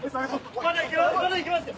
まだいけますよ。